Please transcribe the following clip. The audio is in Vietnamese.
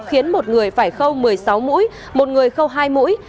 khiến một người phải khâu một mươi sáu mũi một người khâu hai mũi